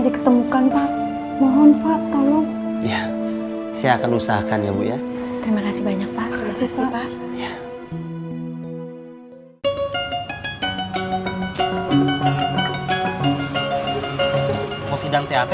diketemukan pak mohon pak tolong ya saya akan usahakan ya bu ya terima kasih banyak pak mau sidang thp